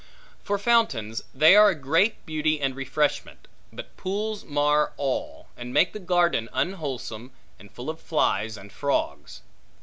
For fountains, they are a great beauty and refreshment; but pools mar all, and make the garden unwholesome, and full of flies and frogs.